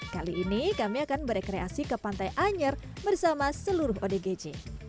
kali ini kami akan berekreasi ke pantai anyer bersama seluruh odgj